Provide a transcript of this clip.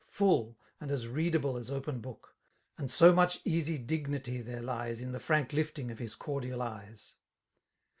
Full, and as readable as open book; And so much easy dignity there lies In the frank lifting of his cordial eyes.